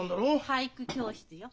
俳句教室よ。